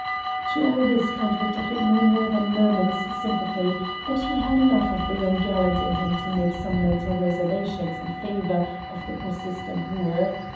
To all this Count Victor could no more than murmur his sympathy, but he had enough of the young gallant in him to make some mental reservations in favour of the persistent wooer.